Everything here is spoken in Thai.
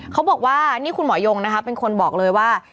เขาบอกว่านี่คุณหมอยงนะคะเป็นคนบอกเลยว่า